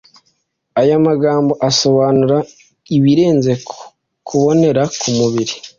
Aya magambo asobanura ibirenze kubonera k'umubiri